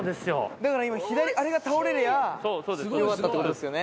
だから今左あれが倒れりゃよかったってことですよね。